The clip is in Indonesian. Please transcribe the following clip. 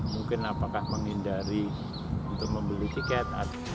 mungkin apakah menghindari untuk membeli tiket